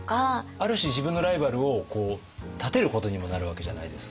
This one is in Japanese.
ある種自分のライバルを立てることにもなるわけじゃないですか。